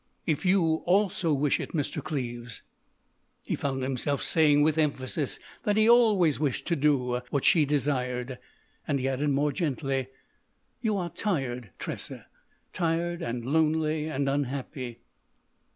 "If you, also, wish it, Mr. Cleves." He found himself saying with emphasis that he always wished to do what she desired. And he added, more gently: "You are tired, Tressa—tired and lonely and unhappy."